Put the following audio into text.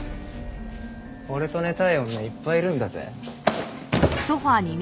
俺と寝たい女いっぱいいるんだぜ。